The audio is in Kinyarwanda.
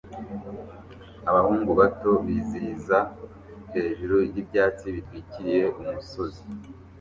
abahungu bato bizihiza hejuru yibyatsi bitwikiriye umusozi